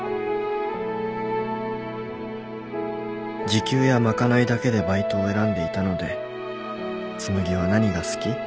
時給や賄いだけでバイトを選んでいたので紬は何が好き？